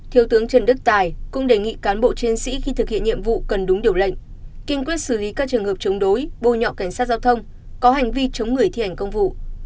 thiếu tướng trần đức tài cũng đề nghị cán bộ chiến sĩ khi thực hiện nhiệm vụ cần đúng điều lệnh kiên quyết xử lý các trường hợp chống đối bô nhọ cảnh sát giao thông có hành vi chống người thi hành công vụ